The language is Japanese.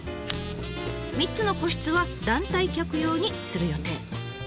３つの個室は団体客用にする予定。